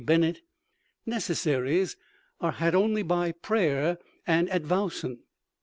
Bennett), necessaries are had only by prayer and advowson.